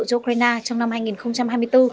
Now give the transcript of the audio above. cho ukraine trong năm hai nghìn hai mươi bốn